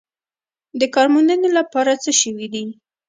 د کار موندنې لپاره څه شوي دي؟